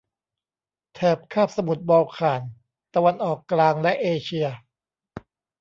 แถบคาบสมุทรบอลข่าน ตะวันออกกลาง และเอเชีย